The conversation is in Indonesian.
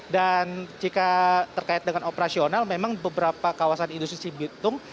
dan jika terkait dengan operasional memang beberapa kawasan industri cibitung